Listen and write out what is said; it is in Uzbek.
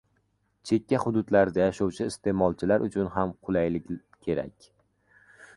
Chekka hududlarda yashovchi iste’molchilar uchun ham qulaylik kerak